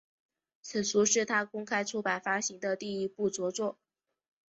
此书是他公开出版发行的第一部着作。